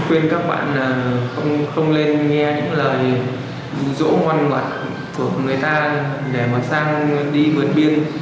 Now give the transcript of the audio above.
khuyên các bạn không lên nghe những lời bù rỗ ngoan ngoặt của người ta để vào sang đi vượt biên